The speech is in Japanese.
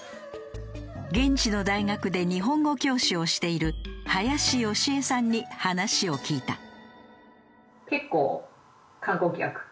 現地の大学で日本語教師をしている林由恵さんに話を聞いた。